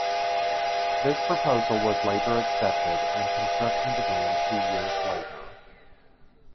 This proposal was later accepted, and construction began two years later.